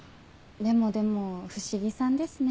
でもでも不思議さんですね。